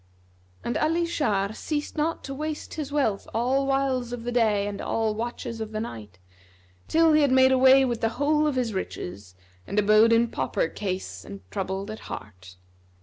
'" And Ali Shar ceased not to waste his wealth all whiles of the day and all watches of the night, till he had made away with the whole of his riches and abode in pauper case and troubled at heart.